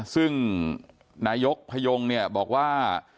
ซึ่งนายกพยงเนี่ยบอกว่า